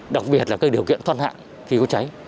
đặc biệt là các điều kiện thoát hạn khi có cháy